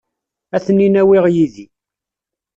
Ad ten-in-awiɣ yid-i.